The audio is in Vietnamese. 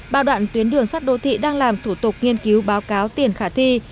ba đoạn tuyến đường sắt đô thị đang làm thủ tục nghiên cứu báo cáo tiền khả thi